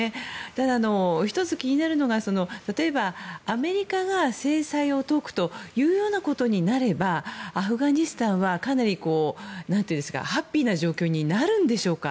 ただ、１つ気になるのが例えば、アメリカが制裁を解くことになればアフガニスタンはかなりハッピーな状況になるんでしょうか。